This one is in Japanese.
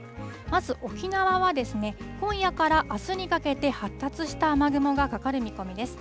まず沖縄は、今夜からあすにかけて発達した雨雲がかかる見込みです。